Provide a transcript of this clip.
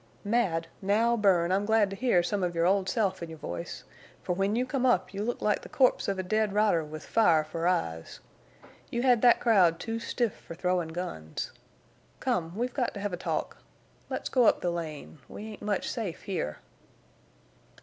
"Wal, now, Bern, I'm glad to hear some of your old self in your voice. Fer when you come up you looked like the corpse of a dead rider with fire fer eyes. You hed thet crowd too stiff fer throwin' guns. Come, we've got to hev a talk. Let's go up the lane. We ain't much safe here."